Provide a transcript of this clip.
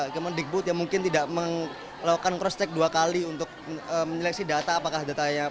kayak menikbut ya mungkin tidak melakukan cross check dua kali untuk menyeleksi data